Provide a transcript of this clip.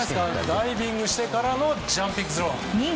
ダイビングしてからのジャンピングスロー。